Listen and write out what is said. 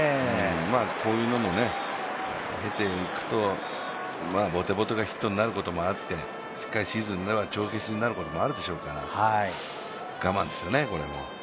こういうのも経ていくとぼてぼてがヒットになることもあってしっかりシーズンでは帳消しになることもあるでしょうから我慢ですよね、これも。